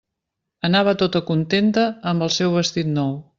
Anava tota contenta amb el seu vestit nou.